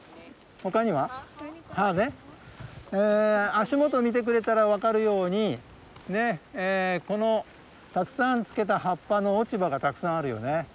足元見てくれたら分かるようにこのたくさんつけた葉っぱの落ち葉がたくさんあるよね。